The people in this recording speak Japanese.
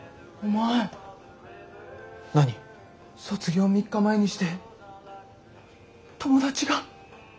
卒業３日前にして友達が。